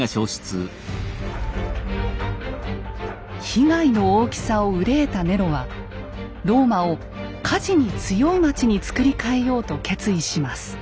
被害の大きさを憂えたネロはローマを火事に強い町に造り替えようと決意します。